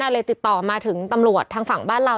เลยติดต่อมาถึงตำรวจทางฝั่งบ้านเรา